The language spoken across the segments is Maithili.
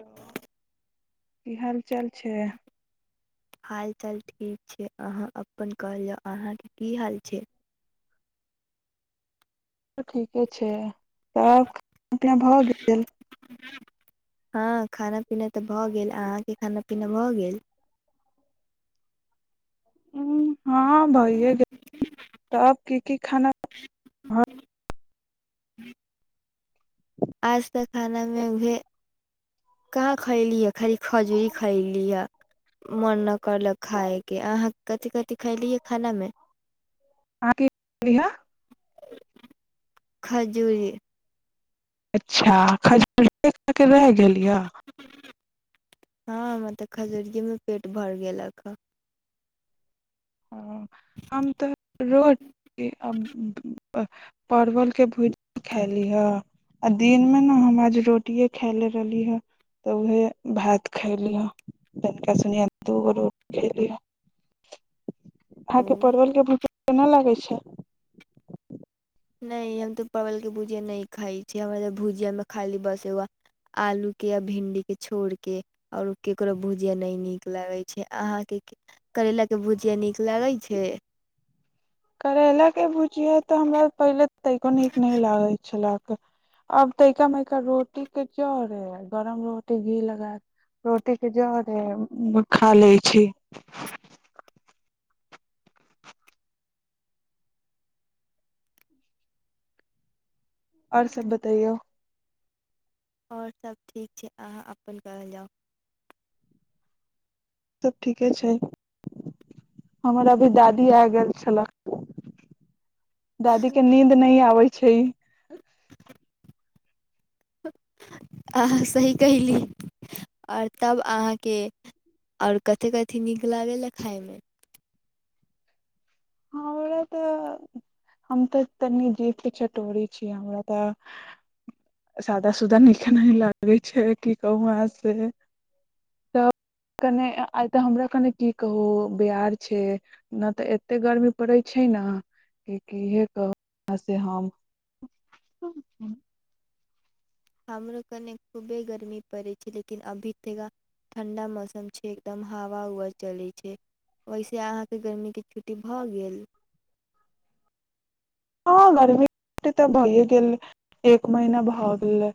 हेलो की हालचाल छै हाल चाल ठीक छै अहाँ अपन कहल जाउ अहाँके की हाल छै ठीके छै तब खाना पीना भऽ गेल हँ खाना पीना तऽ भऽ गेल अहाँके खाना पीना भऽ गेल हूं हँ भइए गेल तब की की खाना [inaudible] आज तऽ खानामे उहे कहाँ खयली ह खाली खजूरी खयली ह मन न करलक खायके अहाँ कथि कथि खयली ह खानामे अहाँ के खजूरी अच्छा खजूरीये खा के रह गेली ये हँ मतलब खजूरियएमे पेट भर गेलक ह हम तऽ परवलके भुजिया खयलीह आ दिनमे ने हम आज रोटिए खयले रहली ह तऽ उएह भात खयलीहे तनिका सुनिय दू गो रोटी खयली ह हँ ओ त परवलके भूजा केना लागै छै नहि हम तऽ परवलके भुजिया नहि खाइ छि हमरा तऽ भुजियामे खायली बस व्हा आलूके आ भिंडीकेँ छोड़ि कऽ आओर ककरो भुजिया नहि नीक लगै छै अहाँके करैलाके भुजिया नीक लागैत छै करैला के भुजिया तऽ हमरा पहिले तै कोनिक नहि लागै छला आब तइका मइका रोटी के जरे गरम रोटी घी लगा रोटी के जरे खए लै छी आओर सब बताइयौ आओर सभ ठीक छै अहाँ अपन कहल जाउ सब ठीके छै हमर अभी दादी आ गेल छला दादी के नींद नहि आबैय छै अहाँ सही कयली आओर तब अहाँके आओर कथी कथि नीक लागैल आ खायमे हमरा तऽ हम तऽ तनि जीव के चटोरी छी हमरा तऽ सादा सुदा नीक नहि लागै छै की कहू आहाँ से त कने आइ तऽ हमरा कने की कहू बिहार छै नहि तऽ ए ते गर्मी पड़ै छय न इ कह से हम हमरो कने खूबे गर्मी पड़ैत छै लेकिन अभी तथा ठण्डा मौसम छै एकदम हवा उवा चलै छै वहिसे अहाँके गर्मीके छुट्टी भऽ गेल हँ गर्मी छुट्टी तऽ भईए गेल एक महीना भऽ गेल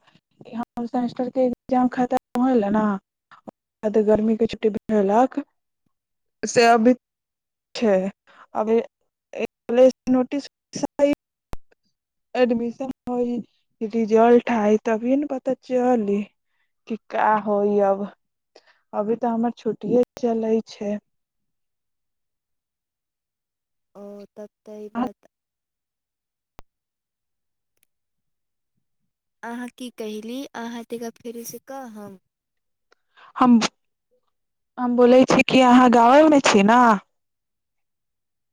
सेमेस्टर के एग्जाम खतम होएले ना बाद गर्मी के छुट्टीक से अभी छै अभी नोटिस [unintelligible] एडमिशन होइ रिजल्ट आइ तभीए ने पता चली कि का होइ अब अभी तऽ हमर छुट्टीए चलै छै ओ तब त इ बात अहाँ की कहयली अहाँ तनका फेरोसँ कहब हम हम बोलय छी कि अहाँ गांवेमे छी ने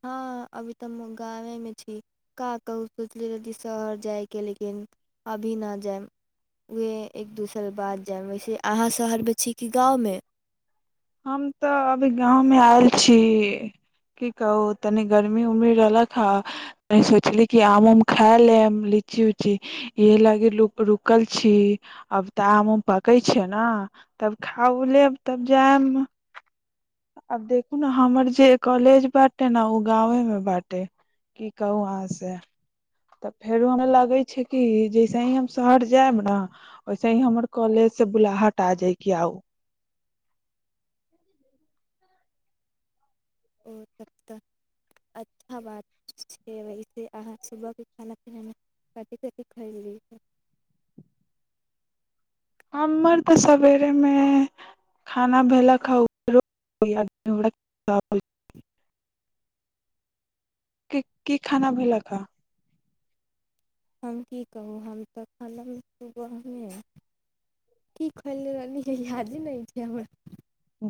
हँ अभी तऽ हम गाँवमे छी का कहू सोचली रह जे शहर जायके लेकिन अभी न जायब उएह एक दूसर बाद जायब वैसे अहाँ शहरमे छी कि गाँवमे हम तऽ अभी गाँवमे आयल छी की कहू तनी गर्मी उर्मी रहलक ह तनी सोचली कि आम उम खा लेहम लीची उची इहे लागी रुकल छी अब तऽ आम उम पकैत छै न तब खा उ लेब तब जायब आब देखू ने हमर जे कॉलेज बाटे ने ओ गाँववेमे बाटे की कहू अहाँ से तऽ फेरो हमरा लगै छै कि जैसे ही हम शहर जायब न वैसे ही हमर कॉलेजसँ बुलाहट आ जायके आउ ओ सभ तऽ अच्छा बात छै वैसे अहाँ सुबहके खाना पीनामे कथि कथि खयली ह हमर तऽ सवेरेमे खाना भेल कि कि खाना भेलक ह हम की कहू हम तऽ खल सुबहमे की खैले रहली है यादे नहि छै हमरा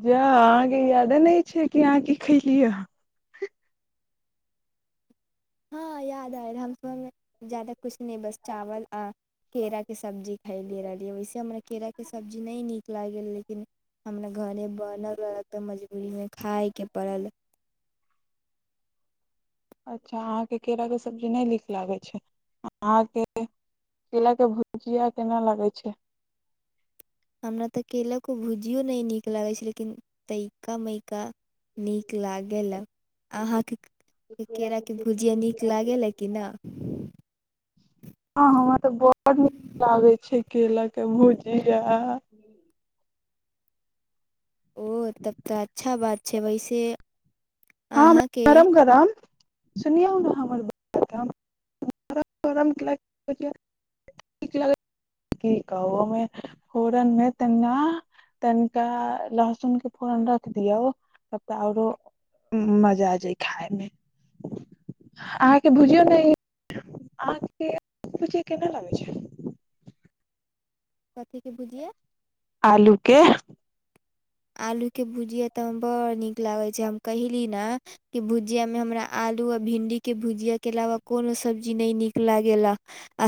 जा अहाँके यादे नहि छै कि अहाँ की खेलियै हँ याद आय रह हमसबमे ज्यादा कुछ नहि बस चावल आ केरा के सबब्जी खैली रहलियै वैसे हमरा केराके सब्जी नहि नीक लागल लेकिन हमरा घरे बनल रहलक तऽ मजबूरीमे खायके पड़ल अच्छा अहाँके केराके सबजी नहि नीक लागै छै अहाँके केराके भुजिया केना लागय छै हमरा तऽ केलाके भुजियो नहि नीक लागैत छै लेकिन तैका मैइका नीक लागै अहाँके केराके भुजिया नीक लागै ला कि न हँ हमरा तऽ बड नीक लागे छै केला के भुजिया ओ तब तऽ अच्छा बात छै वैसे हँ अहाँके गरम गरम सुनियौ ने हमर ब की कहू ओहिमे फोरनमे तन तनिका लहसुनके फोरन रख दियौ तऽ आरो मजा आ जाय खाायमे अहाँके भुजियो नय अहाँके भुजियो केना लगय छै कथीे के भुजिया आलूके आलूके भुजिया तऽ हम बड़ नीक लागै छै हम कयली ने कि भुजियामे हमरा आलू आ भिंडीके भुजियाके अलावा कोनो सब्जी नहि नीक लागेला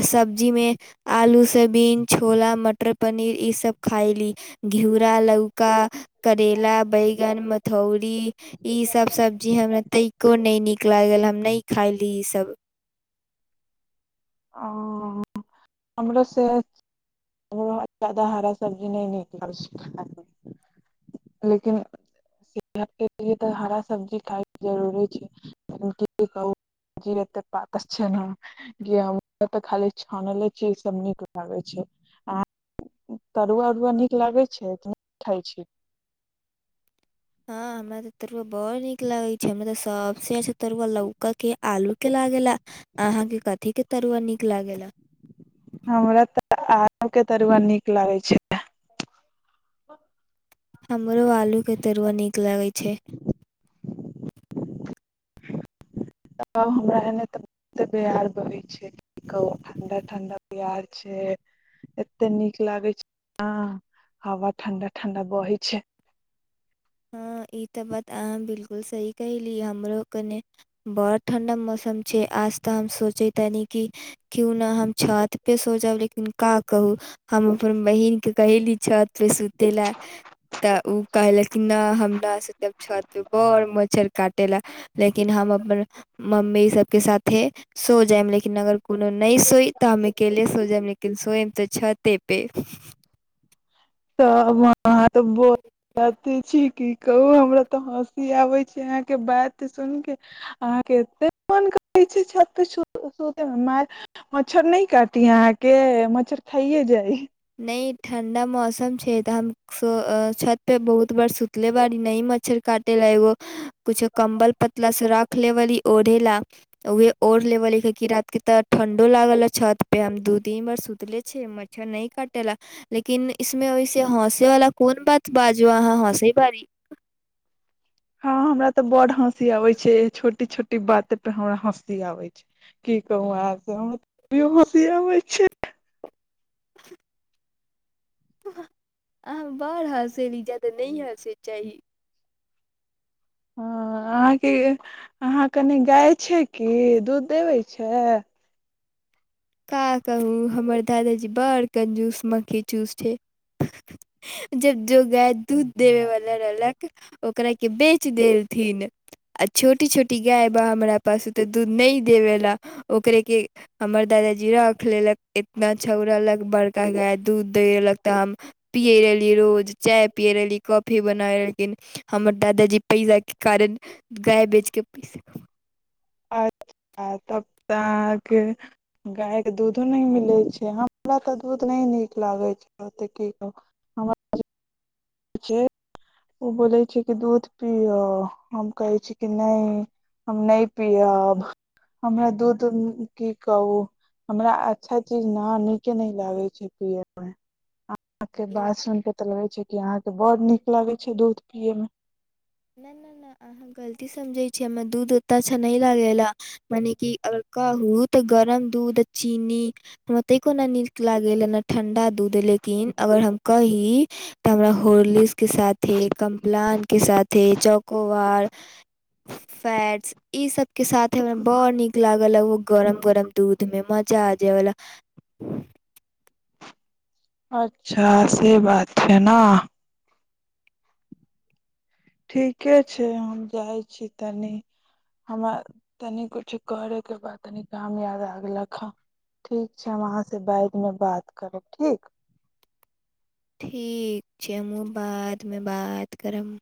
आ सब्जीमे आलू सबीन छोला मटर पनीर ईसभ खयली घिउरा लौका करेला बैगन मथौरी ई सब सब्जी हमरा तै नइ निक लागेला हम नहि खाइली इ सब आ हमरा सैह ज्यादा हरा सब्जी नहि नीक लाग छै लेकिन सेत लि हरा सब्जी खाय जरूरी छै से की कहू कह जी त पातर छै ने हम खाली छान चीज सभ नीक लागै छै आ तरुआ उरुआ नीक लागै छै कि नइ खाइ छी हँ हमरा तऽ तरुआ बड़ नीक लागे छय हमरा तऽ सबसे अच्छा तरुआ लौका के आलू के लागेेला अहाँके कथी के तरुआ नीक लागेेला सभके तरुआ नीक लागै छै हमरो आलु के तरुआ निक लागै छै हमरा एने तऽ बार बहै छै कह ठंडा ठंडा ब्यार छै एते नीक लागे छै ह हवा ठंडा ठंडा बहे छै हँ ई तऽ बात अहाँ बिलकुल सही कहली हमरो कने बड़त ठण्डा मौसम छै आज तऽ हम सोचे ताने कि क्यू ना हम छत पे सो जाब लेकिन का कहू हम अपन बहिन के कहली छत पे सुते ले तऽ उ कहलक हमरा से तब छत पे बर मच्छर काटे ला लेकिन हम अपन मम्मी सबके साथे सो जायब लेकिन अगर कोनो नहि सोइ तऽ हम अकेले सो जायब लेकिन सोयब तऽ छते पे तऽ व अहाँ तऽ बोाते छी की कहु हमरा त [unintelligible] क आबे छै अहााँ के बात सुन के अहाँ केे मन करे छै छत सुते के मार मच्छर नहि काटी अहाँ के मच्छर खाइे जाइ [unintelligible] न ठंडा मौसम छै ते हम छत पे बहुत बार सुतले बारी ने मच्छर [unintelligible] काटे लेगो कुछो कम्बल पतला सराख रखले वली ओढ़े ला तऽ ओहे ओढ़ लेवले किरा के त ठंडो लागल छत पे हम दू दीन बार सुतले छियै मच्छर नइ कटेला लेकिन इसमे ओइसे हौस तेला कोन बात बाजु अहाँ हँसी बारी हँ हमरा तऽ बड हँसी आबे छै छोटी छोटी बाते पे हमरा हँसी आबैत छै की कहू हम कहां के हँसी आबै छैइ आहां बढ़ हँसेली जादे नइ हँसे चाही हँ अहाँके अहाँ कनि गाय छै कि दूध देबै छैय का कहू हमर दादाजी बड़ कंजूस मक्खी चूस छैइ जब जो गाय दूध देबे वाला रहलक ओकरा के बेच देलथिन आ छोटी छोटी गाय बा हमरा पास ओ ते दूध नहि देबे ला ओकरे के हमर दादा जी राख लेलक बछौरा लग बड़ गैय दूध दैइअ लगता हम पियै रहली रोज चाय पियै रहली कॉफी बनाय रहलखिन हमर दादाजी पैसाके कारण गाय बेच कऽ अच्छा तब तऽ अहाँके गायके दूधो नहि मिलै छैइ हमरा तऽ दूध नहि नीक लागैत छैइ ओतेक हमर छैइ ओ बोलै छैइ कि दूध पियह हम कहै छी कि नहि हम नहि पियब हमरा दूध की कहू हमरा अच्छा चीज ने नीके न लागै छैइ पियैमे ओेकर ई बात सूनि क लै छै [unintelligible] कि अहाँके बड़ नीक लागे छै दूध पिये मे नहि नहि नहि अहाँ गलती समझै छीयै हमरा दूध ओते अच्छा नहि लागैए [unintelligible] मने कि अगर काहू गरम दूध चीनी तनको न निक लागैय ने ठंडा दूध लेकिन अगर हम कहि हमरा हॉर्लिस के साथ हे कम्प्लान के साथ तेचकू फैटस ई सब के साथे में बड़ निक लागल ह उ गरम गरम दूध में मजा जेवला अच्छा से बात छैइ ना ठीके छैइ हम जाइ छी तनी हमरा तनि किछु करयके बाद तनि काम याद आगेलक ह ठीक छैइ हम अहाँ से बादमे बात करब ठीक ठीक चम बादमे बात करम